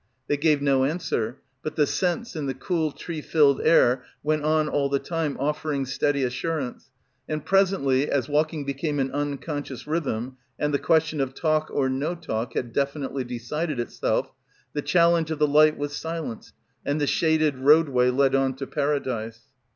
They gave no answer, but the scents in the cool tree filled air went on all the time offering steady assurance, and presently as walking became an unconscious rhythm and the question of talk or no talk had definitely decided itself, the challenge of the light was silenced and the shaded roadway led on to paradise.